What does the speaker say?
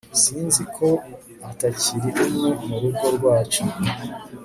sinzi ko atakiri umwe murugo rwacu